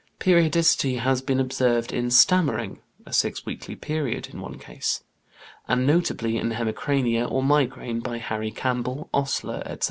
Periodicity has been observed in stammering (a six weekly period in one case), and notably in hemicrania or migraine, by Harry Campbell, Osler, etc.